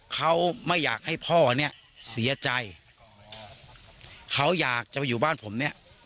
เขาไม่อยากให้พ่อเนี่ยเสียใจเขาอยากจะไปอยู่บ้านผมเนี่ย